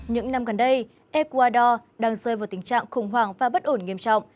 những năm gần đây ecuador đang rơi vào tình trạng khủng hoảng và bất ổn nghiêm trọng